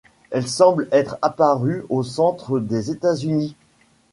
Elle semble être apparue au centre des États-Unis.